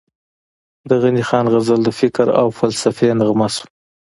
د غني خان غزل د فکر او فلسفې نغمه شوه،